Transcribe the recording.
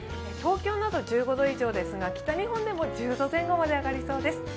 東京など１５度以上ですが北日本でも１０度前後まで上がりそうです。